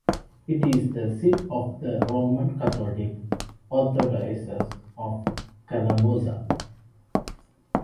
It is the seat of the Roman Catholic archdiocese of Calabozo.